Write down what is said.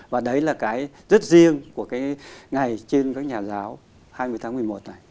và đấy là cái rất riêng của cái ngày trên các nhà giáo hai mươi tháng một mươi một này